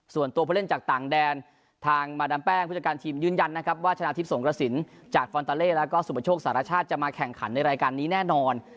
ส่วนตัวผู้เล่นจากต่างแดนทางมาดามแป้งผู้จัดการทีมยืนยันนะครับว่าชนะทิพย์สงกระสินจากฟอนตาเล่แล้วก็สุประโชคสารชาติจะมาแข่งขันในรายการนี้แน่นอน